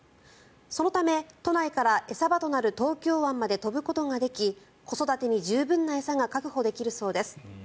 そのため都内から餌場となる東京湾まで飛ぶことができ子育てに十分な餌が確保できるそうです。